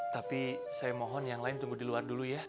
tapi saya mohon yang lain tunggu di luar dulu ya